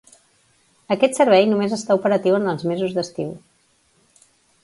Aquest servei només està operatiu en els mesos d'estiu.